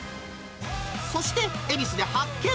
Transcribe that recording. そして、恵比寿で発見。